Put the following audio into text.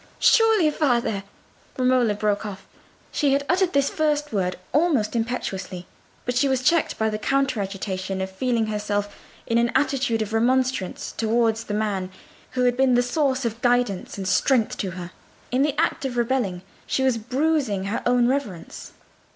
"Surely, father—" Romola broke off. She had uttered this first word almost impetuously, but she was checked by the counter agitation of feeling herself in an attitude of remonstrance towards the man who had been the source of guidance and strength to her. In the act of rebelling she was bruising her own reverence.